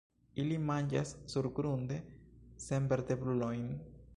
Ili manĝas surgrunde senvertebrulojn.